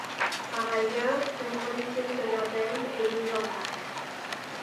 Par ailleurs, une politique de labels est mise en place.